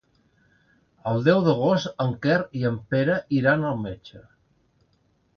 El deu d'agost en Quer i en Pere iran al metge.